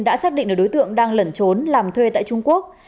đã xác định được đối tượng đang lẩn trốn làm thuê tại trung quốc